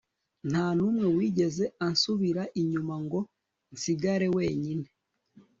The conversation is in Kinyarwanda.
Nta numwe wigeze ansubira inyuma ngo nsigare wenyine